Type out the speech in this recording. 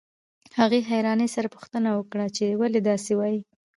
هغې حيرانۍ سره پوښتنه وکړه چې ولې داسې وايئ.